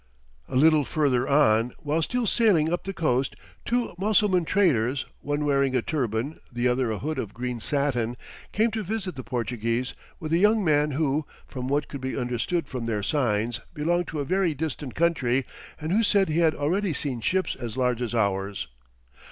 ] A little further on, while still sailing up the coast, two Mussulman traders, one wearing a turban, the other a hood of green satin, came to visit the Portuguese, with a young man who, "from what could be understood from their signs, belonged to a very distant country, and who said he had already seen ships as large as ours."